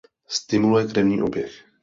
Stimuluje krevní oběh.